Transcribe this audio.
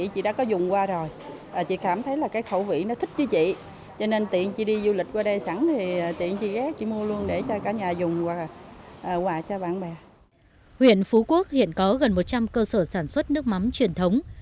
huyện phú quốc hiện có gần một trăm linh cơ sở sản xuất nước mắm truyền thống